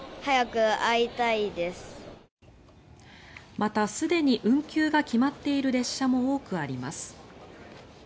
また、すでに運休が決まっている列車も多くあります。